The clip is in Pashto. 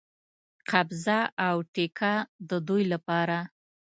قبضه او ټیکه د دوی لپاره.